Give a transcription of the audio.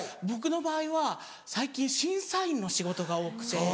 僕の場合は最近審査員の仕事が多くて。